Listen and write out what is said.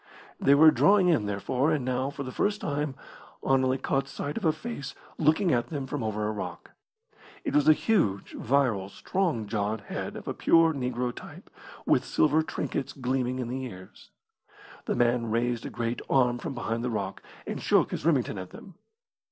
They were drawing in, therefore, and now, for the first time, Anerley caught sight of a face looking at them from over a rock. It was a huge, virile, strong jawed head of a pure negro type, with silver trinkets gleaming in the ears. The man raised a great arm from behind the rock, and shook his Remington at them.